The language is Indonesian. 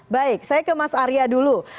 baik saya ke mas arya dulu